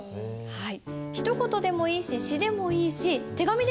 はい。